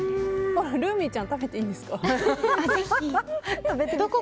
ヌーミーちゃん食べていいんですか？